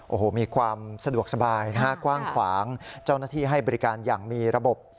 โอ้โหมีความสะดวกสบายนะฮะกว้างขวางเจ้าหน้าที่ให้บริการอย่างมีระบบ